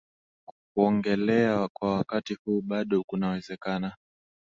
Kuogelea kwa wakati huu bado kunawezekana